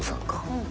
うん。